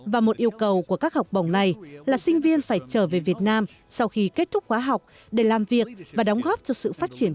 và một yêu cầu của các học bổng này là sinh viên phải trở về việt nam sau khi kết thúc khóa học để làm việc và đóng góp cho sự phát triển